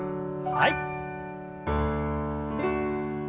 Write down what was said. はい。